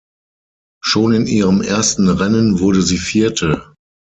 Schon in ihrem ersten Rennen wurde sie Vierte.